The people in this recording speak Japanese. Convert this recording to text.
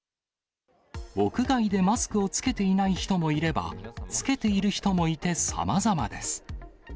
屋外でマスクを着けていない人もいれば、着けている人もいて、さまざまです。